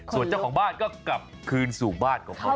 ส่วนเจ้าของบ้านก็กลับคืนสู่บ้านของเขา